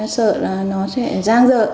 sợ là nó sẽ giang dợi